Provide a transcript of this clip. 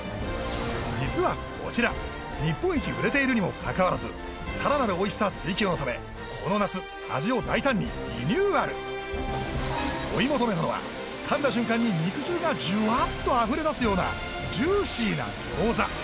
実はこちら日本一売れているにもかかわらず更なるおいしさ追求のためこの夏味を大胆にリニューアル追い求めるのは噛んだ瞬間に肉汁がじゅわっとあふれ出すようなジューシーなギョーザ